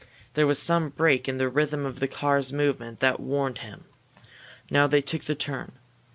There was some break in the rhythm of the car's movement that warned him. Now they took the turn.